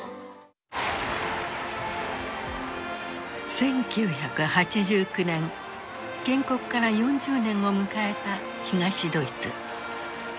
１９８９年建国から４０年を迎えた東ドイツ。